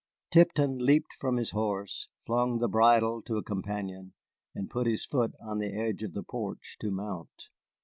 Tipton leaped from his horse, flung the bridle to a companion, and put his foot on the edge of the porch to mount.